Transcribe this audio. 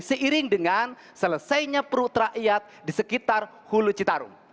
seiring dengan selesainya perut rakyat di sekitar hulu citarum